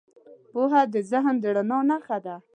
پوهه د ذهن د رڼا نښه ده.